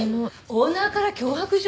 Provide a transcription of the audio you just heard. オーナーから脅迫状？